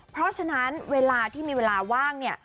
เพราะฉะนั้นเวลาที่มีเวลาว่างเนี่ย